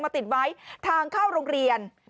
ติดไว้ทางเข้าโรงเรียน